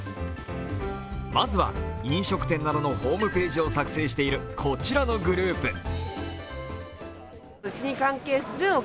まずは、飲食店などのホームページを作成しているこちらのグループ。